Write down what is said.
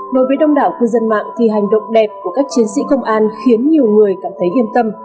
đối với đông đảo cư dân mạng thì hành động đẹp của các chiến sĩ công an khiến nhiều người cảm thấy yên tâm